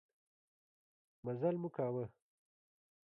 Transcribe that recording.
مزلمو کاوه.